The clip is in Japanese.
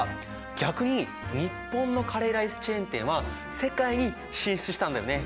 逆に日本のカレーライスチェーン店は世界に進出したんだよね。